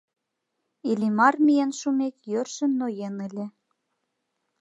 Иллимар, миен шумек, йӧршын ноен ыле.